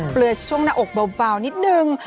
เหลือช่วงหน้าอกเบานิดนึง